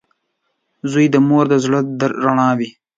• زوی د مور د زړۀ رڼا وي.